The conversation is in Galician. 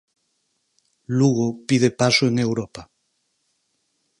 Lugo pide paso en Europa.